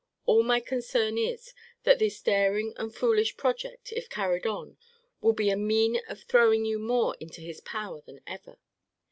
All my concern is, that this daring and foolish project, if carried on, will be a mean of throwing you more into his power than ever.